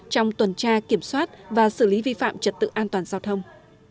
trong tuần tra kiểm soát và xử lý vi phạm trật tự an toàn giao thông